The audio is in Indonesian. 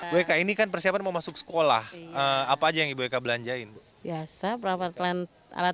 wk ini kan persiapan mau masuk sekolah apa aja yang ibu eka belanjain biasa perawatan alat